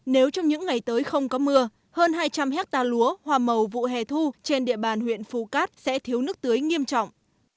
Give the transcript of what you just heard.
nếu trong những ngày tới không có mưa hơn hai trăm linh hectare lúa hoa màu vụ hè thu trên địa bàn huyện phù cát sẽ thiếu nước tưới nghiêm trọng